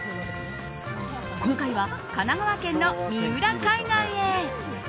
今回は、神奈川県の三浦海岸へ。